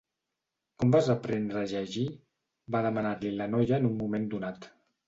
"Com vas aprendre a llegir?", va demanar-li la noia en un moment donat.